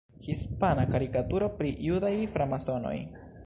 Hispana karikaturo pri "judaj framasonoj".